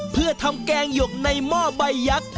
เพื่อทำแกงหยกในหม้อใบยักษ์